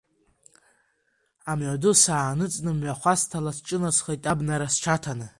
Амҩаду сааныҵны, мҩахәасҭала сҿынасхеит, абнара сҽаҭаны.